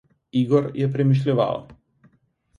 Igor je premišljeval.